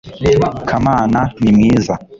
kamana ni mwiza